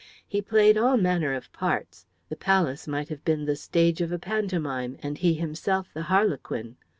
He played all manner of parts; the palace might have been the stage of a pantomime and himself the harlequin.